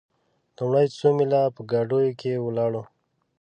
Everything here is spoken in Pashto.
لومړي څو میله په ګاډیو کې ولاړو.